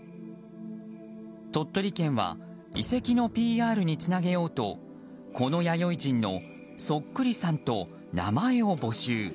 鳥取県は遺跡のＰＲにつなげようとこの弥生人のそっくりさんと名前を募集。